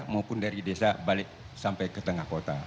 maupun dari desa balik sampai ke tengah kota